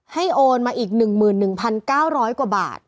โอนมาอีก๑๑๙๐๐กว่าบาท